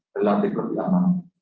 relatif lebih aman